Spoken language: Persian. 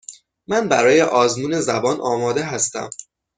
من برای آزمون زبان آماده هستم.